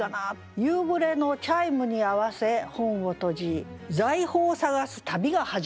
「夕暮れのチャイムに合わせ本を閉じ財宝探す旅が始まる」。